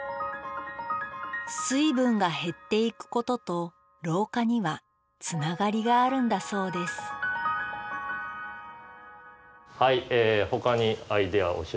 水分が減っていくことと老化にはつながりがあるんだそうですはいえほかにアイデアを。